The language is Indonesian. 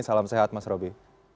salam sehat mas robby